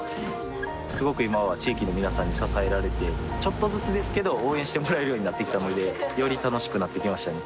すごく今は地域の皆さんに支えられてちょっとずつですけど応援してもらえるようになってきたのでより楽しくなってきましたね